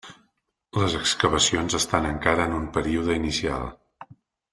Les excavacions estan encara en un període inicial.